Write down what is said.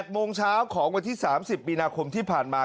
โมงเช้าของวันที่๓๐มีนาคมที่ผ่านมา